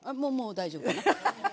大丈夫かな。